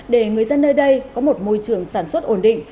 để người dân nơi đây có một môi trường sản xuất ổn định